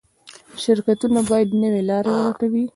شرکتونه باید نوې لارې ولټوي.